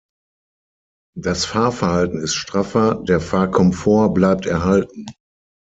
Das Fahrverhalten ist straffer, der Fahrkomfort bleibt erhalten.